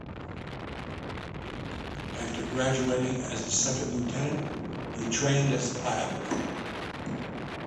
After graduating as a second lieutenant, he trained as a pilot.